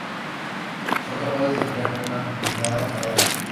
Son capaces de criar una nidada cada año.